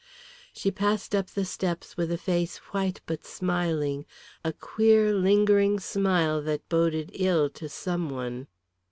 She passed up the steps with a face white but smiling, a queer lingering smile that boded ill to some one.